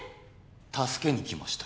助けにきました